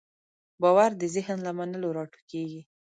باور د ذهن له منلو راټوکېږي.